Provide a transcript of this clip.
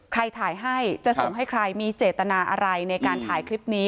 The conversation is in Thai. ถ่ายให้จะส่งให้ใครมีเจตนาอะไรในการถ่ายคลิปนี้